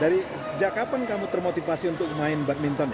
dari sejak kapan kamu termotivasi untuk bermain badminton ya